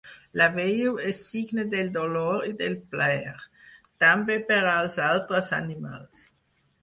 La veu és signe del dolor i del plaer, també per als altres animals.